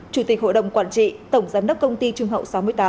chủ tịch hội đồng quản trị tổng giám đốc công ty trung hậu sáu mươi tám